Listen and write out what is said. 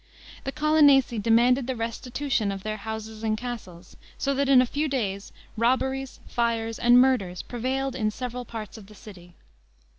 The Colonnesi demanded the restitution of their houses and castles, so that in a few days robberies, fires, and murders prevailed in several parts of the city.